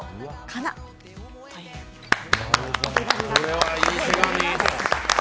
これはいい手紙。